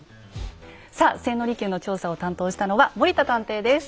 さあ千利休の調査を担当したのは森田探偵です。